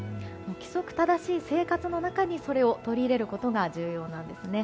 規則正しい生活の中にそれを取り入れることが重要なんですね。